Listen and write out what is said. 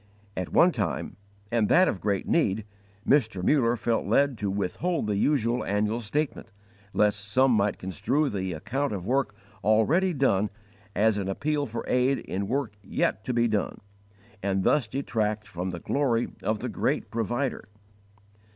_ At one time, and that of great need, Mr. Muller felt led to withhold the usual annual statement, lest some might construe the account of work already done as an appeal for aid in work yet to be done, and thus detract from the glory of the Great Provider.